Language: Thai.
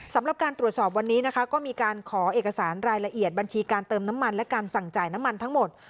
สำหรับการตรวจสอบวันนี้นะคะก็มีการขอเอกสารรายละเอียดบัญชีการเติมน้ำมันและการสั่งจ่ายน้ำมันทั้งหมด